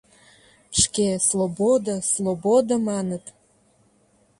Шке «слободо», «слободо» маныт...